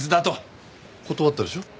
断ったでしょう？